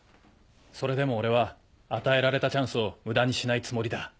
それでも俺は与えられたチャンスを無駄にしないつもりだ。